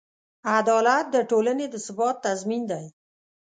عدالت د ټولنې د ثبات تضمین دی.